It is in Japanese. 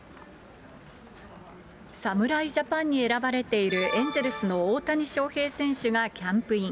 侍ジャパンに選ばれているエンゼルスの大谷翔平選手がキャンプイン。